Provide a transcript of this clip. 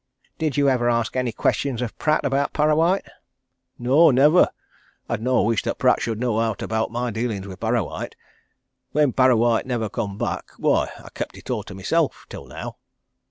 "Did you ever ask any question of Pratt about Parrawhite?" "No never! I'd no wish that Pratt should know owt about my dealin's with Parrawhite. When Parrawhite never come back why, I kep' it all to myself, till now."